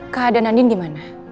keadaan andien gimana